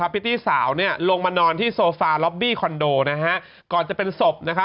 พิตตี้สาวลงมานอนที่โซฟาล็อบบี้คอนโดก่อนจะเป็นศพ